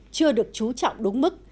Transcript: chưa được trú trọng đúng mức